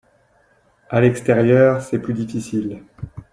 À l’extérieur, c’est plus difficile